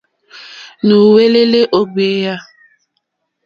Nù wɛ́lɛ́lɛ́ ó ɡbèyà.